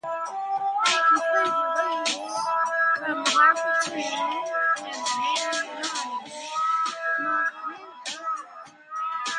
They include reliefs from the Harpy Tomb and the Nereid Monument, amongst many others.